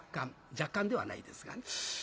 若干ではないですがね。